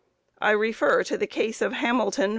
I refer to the case of _Hamilton vs.